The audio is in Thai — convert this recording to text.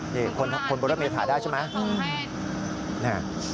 นี่คนบริษัทเมษฐ์ถ่ายได้ใช่ไหม